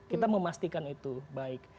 kita memastikan itu baik